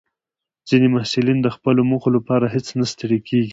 ځینې محصلین د خپلو موخو لپاره هیڅ نه ستړي کېږي.